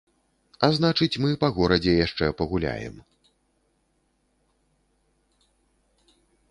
А значыць, мы па горадзе яшчэ пагуляем.